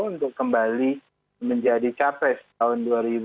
untuk kembali menjadi capres tahun dua ribu dua puluh